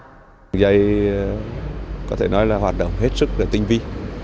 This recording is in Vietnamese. đường dây có thể nói là hoạt động hết sức là tinh vi